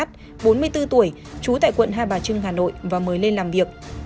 bốn mươi bốn tuổi trú tại quận hai bà trưng hà nội và mời lên làm việc